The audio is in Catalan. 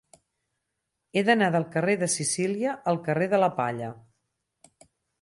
He d'anar del carrer de Sicília al carrer de la Palla.